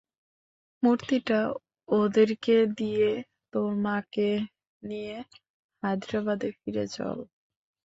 মূর্তিটা ওদেরকে দিয়ে, তোর মাকে নিয়ে হায়দ্রাবাদে ফিরে চল।